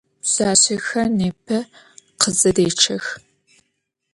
Pşsaşsexer nêpe khızedeççex.